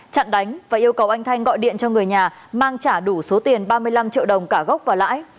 chặn đánh và yêu cầu anh thanh gọi điện cho người nhà mang trả đủ số tiền ba mươi năm triệu đồng cả gốc và lãi